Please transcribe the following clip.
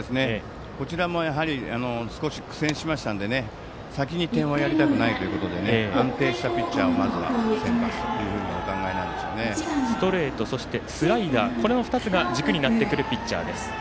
こちらも、やはり少し苦戦しましたので先に点をやりたくないということで安定したピッチャーをまずは先発というふうにストレートそしてスライダー、この２つが軸になってくるピッチャーです。